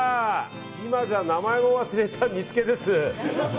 今じゃ名前も忘れた煮つけです。